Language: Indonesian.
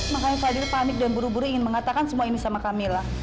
makanya fadil panik dan buru buru ingin mengatakan semua ini sama kamila